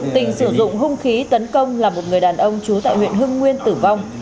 tình sử dụng hung khí tấn công là một người đàn ông trú tại huyện hưng nguyên tử vong